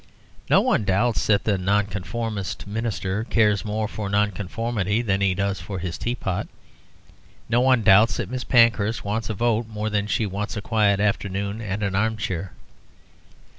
No one doubts that the Nonconformist minister cares more for Nonconformity than he does for his teapot. No one doubts that Miss Pankhurst wants a vote more than she wants a quiet afternoon and an armchair.